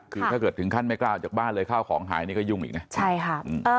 คือถ้าเกิดถึงขั้นไม่กล้าออกจากบ้านเลยข้าวของหายนี่ก็ยุ่งอีกนะใช่ค่ะ